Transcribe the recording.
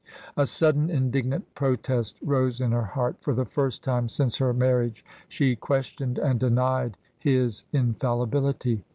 A sudden indignant protest rose in her heart; for the first time since her marriage she questioned and denied his infallibility.